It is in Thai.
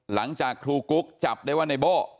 หลังจากครูกุ๊กจับได้ว่าในโบ้